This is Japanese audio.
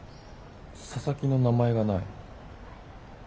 佐々木の名前がない。